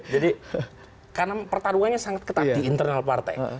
jadi karena pertarungannya sangat ketat di internal partai